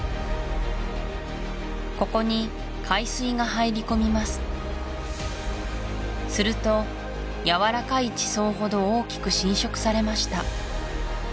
ここに海水が入り込みますするとやわらかい地層ほど大きく浸食されました